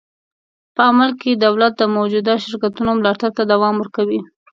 په عمل کې دولت د موجوده شرکتونو ملاتړ ته دوام ورکوي.